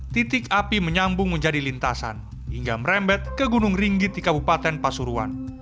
titik api menyambung menjadi lintasan hingga merembet ke gunung ringgit di kabupaten pasuruan